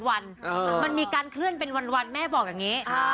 มันมีการเคลื่อนเป็นวันแม่บอกอย่างนี้